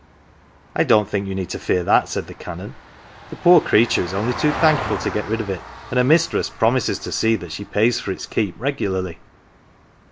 " I don't think you need fear that," said the Canon. " The poor creature is only too thankful to get rid of it, and her mistress promises to see that she pays for its keep regularly."